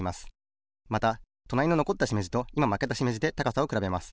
またとなりののこったしめじといままけたしめじで高さをくらべます。